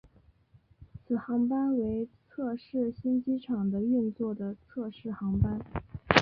此航班为测试新机场的运作的测试航班。